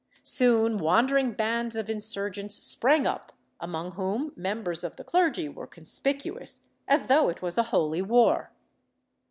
^ Soon wandering bands of insurgents sprang up, among whom members of the clergy were conspicuous, as though it was a holy war.